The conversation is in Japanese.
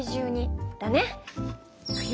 いくよ。